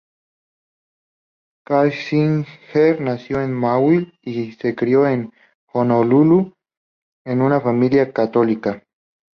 Scherzinger nació en Maui y se crio en Honolulu, en una familia católica.